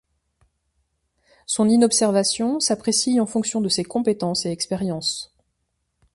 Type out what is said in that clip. Son inobservation s'apprécie en fonction de ses compétences et expériences.